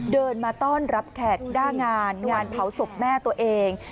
เดินมาต้อนรับแขกหน้างานงานเผาศพแม่ตัวเอง